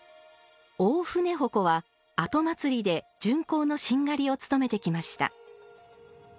大船鉾は後祭で巡行のしんがりを務めてきました。